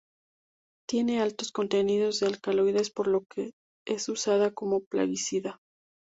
Tiene altos contenidos de alcaloides por lo que es usada como plaguicida.